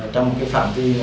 trong một cái phạm vi